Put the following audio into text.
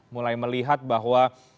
mulai melihat bahwa